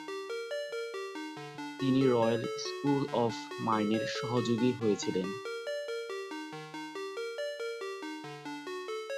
তিনি Royal School of মাইনের সহযোগী হয়েছিলেন।